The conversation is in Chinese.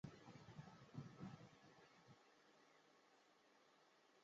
本列表列出了火星上的所有链坑。